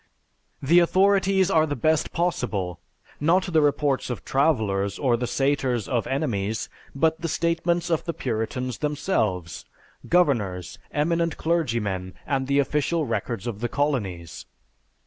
"The authorities are the best possible, not the reports of travelers or the satires of enemies, but the statements of the Puritans themselves, governors, eminent clergymen, and the official records of the colonies.